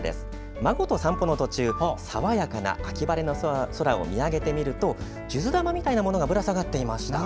孫と散歩の途中爽やかな秋晴れの空を見上げてみると数珠玉みたいなものがぶら下がっていました。